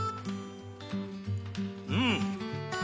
うん！